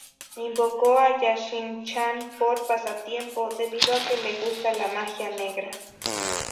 Invocó a Jashin-chan por pasatiempo, debido a que le gusta la magia negra.